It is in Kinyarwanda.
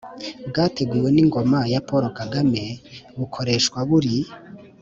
bwateguwe n'ingoma ya paul kagame bukoreshwa buri